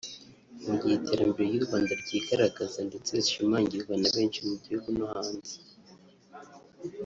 Mu gihe iterambere ry’u Rwanda ryigaragaza ndetse rishimangirwa na benshi mu gihugu no hanze